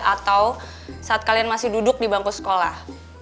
atau saat kalian masih duduk di bangku sekolah